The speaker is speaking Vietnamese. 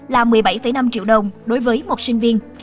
là một mươi bảy năm triệu đồng đối với một sinh viên